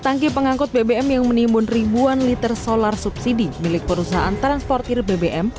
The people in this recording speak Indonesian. tangki pengangkut bbm yang menimbun ribuan liter solar subsidi milik perusahaan transportir bbm